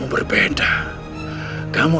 untuk pergi dengarkan